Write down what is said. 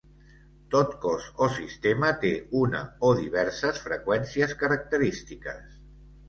Tot cos o sistema té una o diverses freqüències característiques.